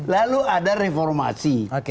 lalu ada reformasi